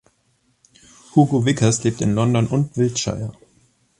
Hugo Vickers lebt in London und Wiltshire.